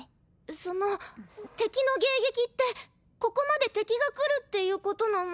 その敵の迎撃ってここまで敵が来るっていうことなの？